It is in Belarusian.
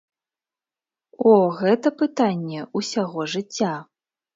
О, гэта пытанне ўсяго жыцця.